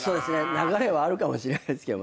流れはあるかもしれないですけど。